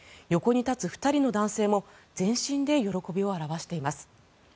横に立つ２人の男性も全身で喜びを表しています。